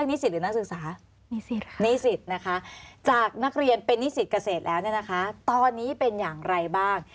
เงษีลเขาเรียกนิสิตหรือนักศึกษาตอนนี้เป็นอย่างไรบ้าง